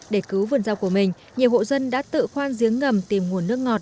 để cứu vườn rau của mình nhiều hộ dân đã tự khoan giếng ngầm tìm nguồn nước ngọt